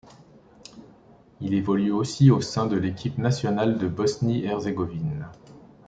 Il évolue aussi au sein de l'équipe nationale de Bosnie-Herzégovine.